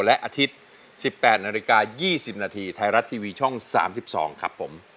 และอาทิตย์๑๘นาฬิกา๒๐นาทีไทยรัฐทีวีช่อง๓๒ครับผม